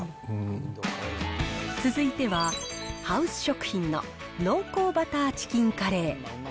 続いては、ハウス食品の濃厚バターチキンカレー。